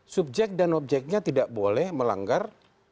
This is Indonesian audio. subjek dan objeknya tidak boleh melanggar